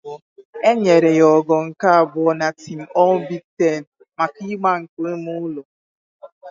E nyere ya ogo nke abụọ na Team All-Big Ten maka agba nke ime ụlọ.